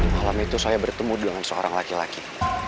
malam itu saya bertemu dengan seorang laki laki